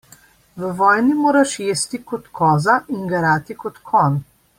V vojni moraš jesti kot koza in garati kot konj.